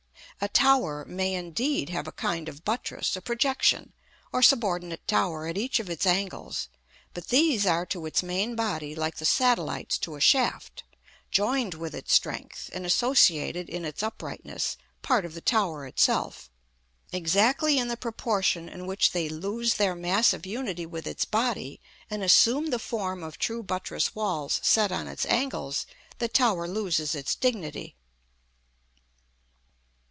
A tower may, indeed, have a kind of buttress, a projection, or subordinate tower at each of its angles; but these are to its main body like the satellites to a shaft, joined with its strength, and associated in its uprightness, part of the tower itself: exactly in the proportion in which they lose their massive unity with its body and assume the form of true buttress walls set on its angles, the tower loses its dignity.